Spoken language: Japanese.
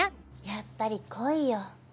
やっぱり恋よ。